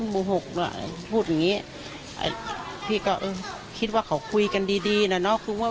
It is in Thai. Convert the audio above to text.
พูดอย่างนี้พี่ก็เออคิดว่าเขาคุยกันดีนะเนอะ